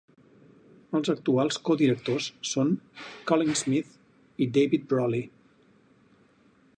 Els actuals codirectors són Colin Smith i David Brolly.